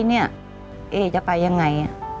เอ๊จะไปอย่างไร